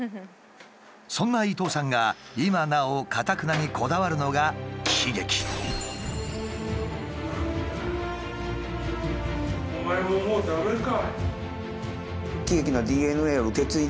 そんな伊東さんが今なおかたくなにこだわるのがお前ももう駄目か。